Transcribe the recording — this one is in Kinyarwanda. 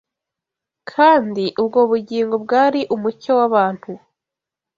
kandi ubwo bugingo bwari Umucyo w’abantu